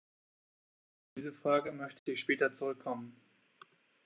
Auf diese Fragen möchte ich später zurückkommen.